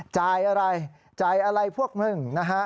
จ่ายอะไรจ่ายอะไรพวกมึงนะฮะ